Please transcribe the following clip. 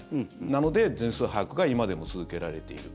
なので、全数把握が今でも続けられている。